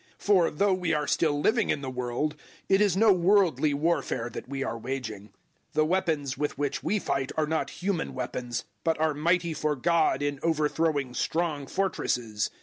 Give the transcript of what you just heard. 010:003 For, though we are still living in the world, it is no worldly warfare that we are waging. 010:004 The weapons with which we fight are not human weapons, but are mighty for God in overthrowing strong fortresses.